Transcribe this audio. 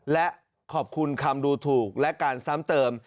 และขอบคุณคำดูถูกและการซ้ำเติม